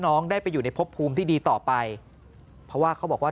น้องได้ไปอยู่ในพบภูมิที่ดีต่อไปเพราะว่าเขาบอกว่า